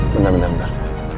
bentar bentar bentar